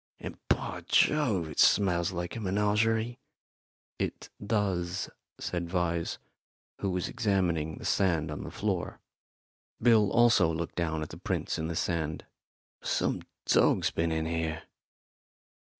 And, by Jove! it smells like a menagerie." "It does," said Vyse, who was examining the sand on the floor. Bill also looked down at the prints in the sand. "Some dog's been in here."